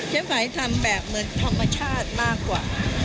ฝัยทำแบบเหมือนธรรมชาติมากกว่า